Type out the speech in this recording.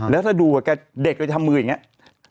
แล้วถ้าดูว่าเด็กก็จะทำมืออย่างนี้